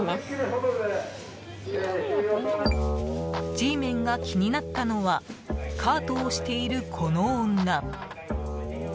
Ｇメンが気になったのはカートを押している、この女。